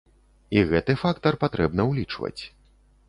І гэты фактар патрэбна ўлічваць.